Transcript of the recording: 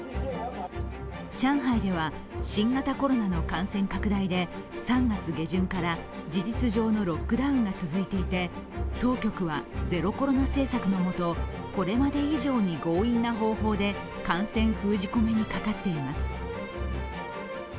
上海では、新型コロナの感染拡大で３月下旬から事実上のロックダウンが続いていて、当局はゼロコロナ政策のもと、これまで以上に強引な方法で感染封じ込めにかかっています。